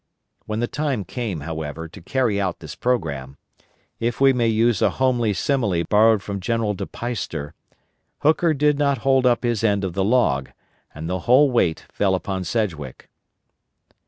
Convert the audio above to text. When the time came, however, to carry out this programme, if we may use a homely simile borrowed from General De Peyster, Hooker did not hold up his end of the log, and the whole weight fell upon Sedgwick.